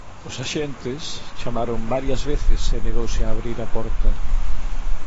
Os axentes chamaron varias veces e negouse a abrir a porta.